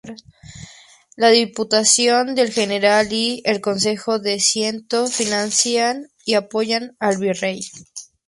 La Diputación del General y el Consejo de Ciento financian y apoyan al virrey.